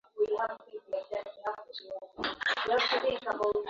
katika Amerika Kaskazini na kujiunga Muungano yangeruhusiwa